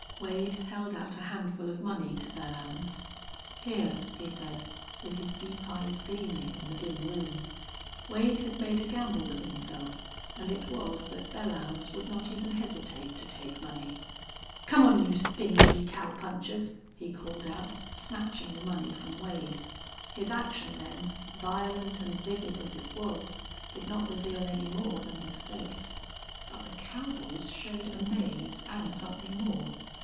Wade held out a handful of money to Belllounds. "Here," he said, with his deep eyes gleaming in the dim room. Wade had made a gamble with himself, and it was that Belllounds would not even hesitate to take money. "Come on, you stingy cowpunchers," he called out, snatching the money from Wade. His action then, violent and vivid as it was, did not reveal any more than his face. But the cowboys showed amaze, and something more.